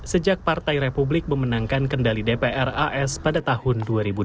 sejak partai republik memenangkan kendali dpr as pada tahun dua ribu dua puluh